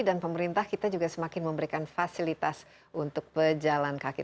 dan pemerintah kita juga semakin memberikan fasilitas untuk pejalan kaki